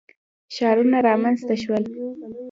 ښارونه رامنځته شول.